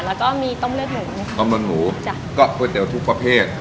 แล้วก็มีต้มเลือดหมูค่ะต้มเลือดหมูจ้ะก็ก๋วยเตี๋ยวทุกประเภท